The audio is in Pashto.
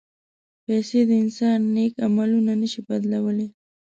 پېسې د انسان نیک عملونه نه شي بدلولی.